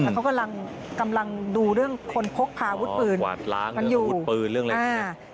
แล้วเขากำลังดูเรื่องคนพกพาอาวุธปืนอ๋อกวาดล้างอาวุธปืนเรื่องอะไรอย่างนี้